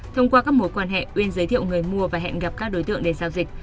thông qua các mối quan hệ uyên giới thiệu người mua và hẹn gặp đối tượng để giao dịch